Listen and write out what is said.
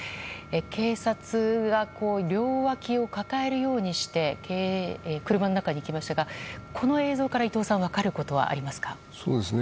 警察が両脇を抱えるようにして車の中に行きましたがこの映像から分かることはありますか、伊藤さん。